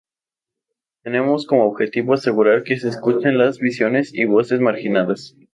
Tenemos como objetivo asegurar que se escuchen las visiones y voces marginadas.